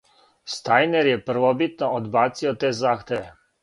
Стајнер је првобитно одбацио те захтеве.